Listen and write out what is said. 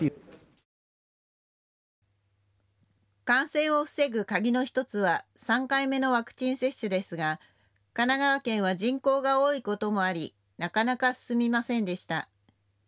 感染を防ぐ鍵の１つは３回目のワクチン接種ですが神奈川県は人口が多いこともありなかなか進みませんでした。